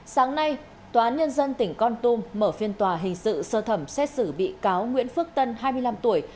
sáng nay tòa án nhân dân tỉnh con tum mở phiên tòa hình sự sơ thẩm xét xử bị cáo nguyễn phước tân hai mươi năm tuổi